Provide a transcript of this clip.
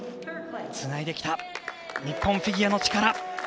つないできた日本フィギュアの力。